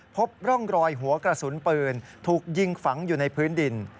พบร่องรอยหัวกระสุนปืนถูกยิงฝังอยู่ในพื้นดิน